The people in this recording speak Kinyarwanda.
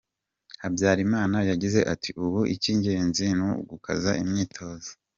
Habyarimana yagize ati" ubu icy’ingenzi ni ugukaza imyitozo.